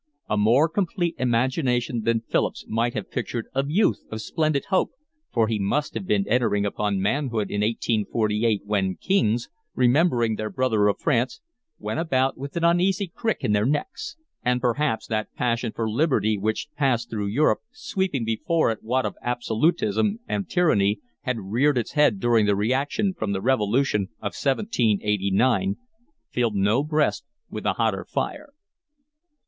A more complete imagination than Philip's might have pictured a youth of splendid hope, for he must have been entering upon manhood in 1848 when kings, remembering their brother of France, went about with an uneasy crick in their necks; and perhaps that passion for liberty which passed through Europe, sweeping before it what of absolutism and tyranny had reared its head during the reaction from the revolution of 1789, filled no breast with a hotter fire.